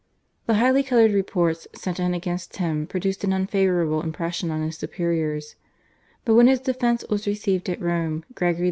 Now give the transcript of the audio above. The highly coloured reports sent in against him produced an unfavourable impression on his superiors, but when his defence was received at Rome Gregory XV.